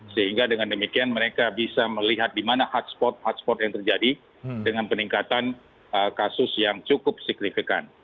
sehingga dengan demikian mereka bisa melihat di mana hotspot hotspot yang terjadi dengan peningkatan kasus yang cukup signifikan